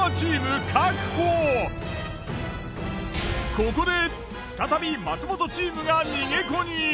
ここで再び松本チームが逃げ子に。